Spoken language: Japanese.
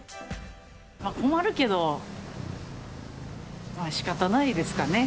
困るけど、しかたないですかね。